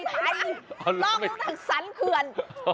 ร่องตั้งแต่สันเคลื่อน